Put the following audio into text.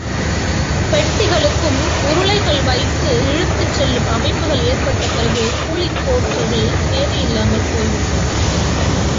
பெட்டிகளுக்கும் உருளைகள் வைத்து இழுத்துச் செல்லும் அமைப்புகள் ஏற்பட்ட பிறகு கூலி போர்ட்டர்கள் தேவை இல்லாமல் போய்விடுகிறது.